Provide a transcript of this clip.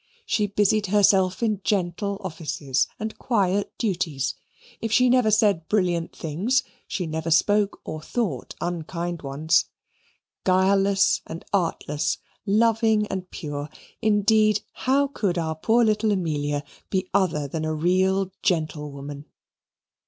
She busied herself in gentle offices and quiet duties; if she never said brilliant things, she never spoke or thought unkind ones; guileless and artless, loving and pure, indeed how could our poor little Amelia be other than a real gentlewoman!